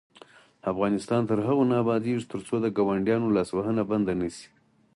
افغانستان تر هغو نه ابادیږي، ترڅو د ګاونډیانو لاسوهنه بنده نشي.